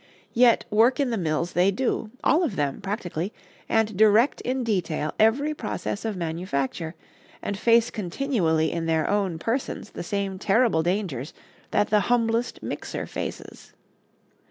Yet, work in the mills they do, all of them, practically, and direct in detail every process of manufacture, and face continually in their own persons the same terrible dangers that the humblest mixer faces.